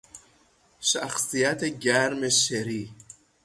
شخصیت گرم شری